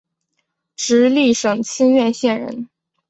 直隶省清苑县人。